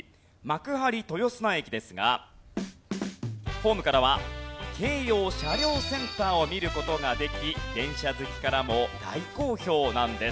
ホームからは京葉車両センターを見る事ができ電車好きからも大好評なんです。